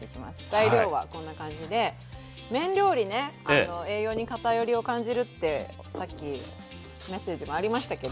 材料はこんな感じで麺料理ね栄養に偏りを感じるってさっきメッセージもありましたけど